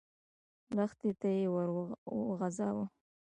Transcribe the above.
لښتي ته يې ور وغځاوه.